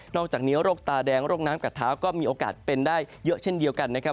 อกจากนี้โรคตาแดงโรคน้ำกัดเท้าก็มีโอกาสเป็นได้เยอะเช่นเดียวกันนะครับ